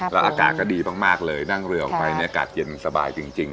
แล้วอากาศก็ดีมากเลยนั่งเรือออกไปเนี่ยอากาศเย็นสบายจริง